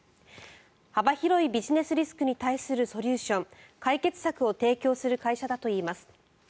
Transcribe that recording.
幅広いビジネスリスクに対するソリューション解決策を提供する会社だといいます。